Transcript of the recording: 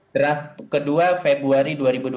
draft kedua februari dua ribu dua puluh